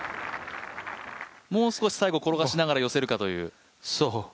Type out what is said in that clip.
もう少し最後転がせながら寄せるという。